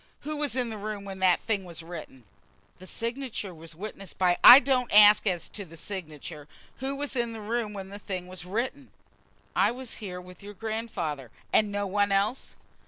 Who was in the room when that thing was written?" "The signature was witnessed by " "I don't ask as to the signature. Who was in the room when the thing was written?" "I was here with your grandfather." "And no one else?"